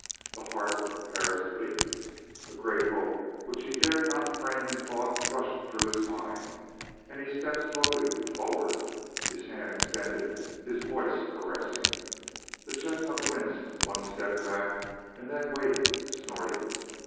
The heart of Perris leaped. A great hope which he dared not frame in thought rushed through his mind, and he stepped slowly forward, his hand extended, his voice caressing. The chestnut winced one step back, and then waited, snorting.